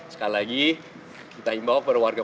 sekali lagi kita imbawak pada warga